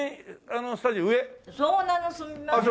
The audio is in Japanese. そうなのすみません。